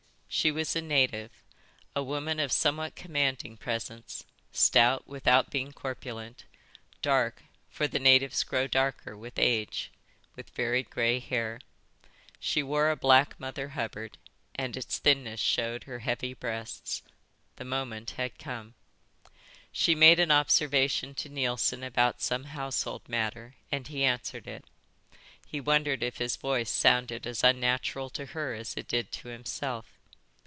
She was a native, a woman of somewhat commanding presence, stout without being corpulent, dark, for the natives grow darker with age, with very grey hair. She wore a black Mother Hubbard, and its thinness showed her heavy breasts. The moment had come. She made an observation to Neilson about some household matter and he answered. He wondered if his voice sounded as unnatural to her as it did to himself.